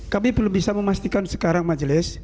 kami belum bisa memastikan sekarang majelis